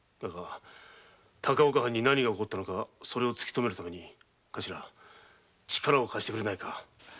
高岡藩に何が起きているのかそれを突きとめるために力を貸してくれないか。